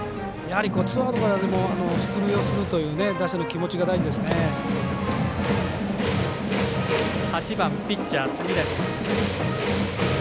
ツーアウトからでも出塁をするという打者の気持ちが８番ピッチャー、辻です。